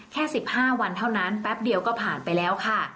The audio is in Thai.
แค่๑๕วันเท่านั้นแป๊บเดียวก็ผ่านไปแล้วค่ะ